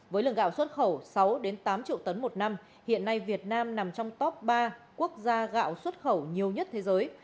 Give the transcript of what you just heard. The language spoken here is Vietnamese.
với lượng gạo xuất khẩu sáu tám triệu tấn một năm hiện nay việt nam nằm trong top ba quốc gia gạo xuất khẩu nhiều nhất thế giới